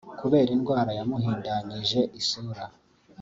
kubera indwara yamuhindanyije isura